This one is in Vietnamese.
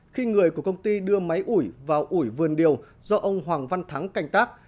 khi người của công ty đưa máy ủi vào ủi vườn điều do ông hoàng văn thắng canh tác